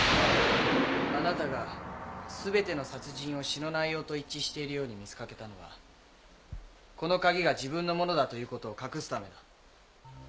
あなたが全ての殺人を詩の内容と一致しているように見せ掛けたのはこの鍵が自分のものだということを隠すためだ。